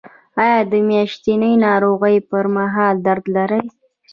ایا د میاشتنۍ ناروغۍ پر مهال درد لرئ؟